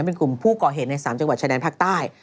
เป็นกลุ่มผู้ก่อเหตุใน๓จังหวัดชายแดนภาคใต้